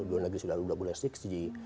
udah lagi sudah boleh enam g